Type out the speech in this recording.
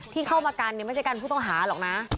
ที่เข้ามากันไม่ใช่กันผู้ต้องหาหรอกนะ